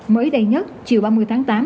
mới đây nhất chiều ba mươi tháng tám